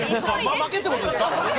巻けってことですか？